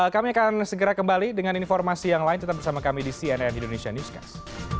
kami akan segera kembali dengan informasi yang lain tetap bersama kami di cnn indonesia newscast